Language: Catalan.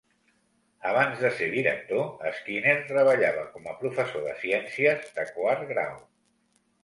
Abans de ser director, Skinner treballava com a professor de ciències de quart grau.